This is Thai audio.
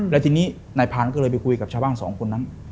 แล้วทีนี้นายพันธุ์ก็เลยไปคุยกับชาวบ้านสองคนนั้น